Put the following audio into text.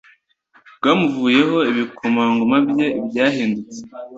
Bwamuvuyeho ibikomangoma bye byahindutse